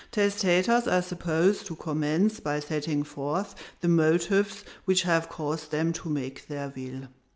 "Testators are supposed to commence by setting forth the motives which have caused them to make their will.